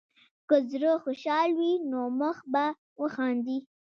که زړه خوشحال وي، نو مخ به وخاندي.